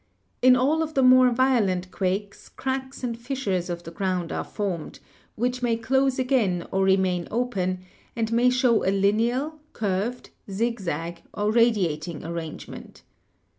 In all of the more violent quakes cracks and fissures of the ground are formed, which may close again or remain open, and may show a lineal, curved, zigzag, or radiating arrangement.